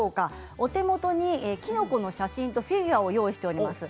お手元にきのこの写真とフィギュアを用意しています。